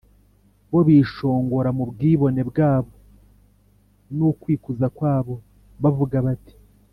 bo bishongora mu bwibone bwabo n’ukwikuza kwabo, bavuga bati